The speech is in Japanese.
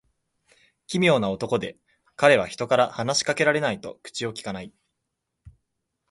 奇妙な男で、彼は人から話し掛けられないと口をきかない。